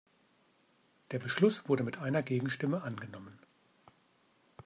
Der Beschluss wurde mit einer Gegenstimme angenommen.